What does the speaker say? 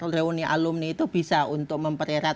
reuni alumni itu bisa untuk mempererat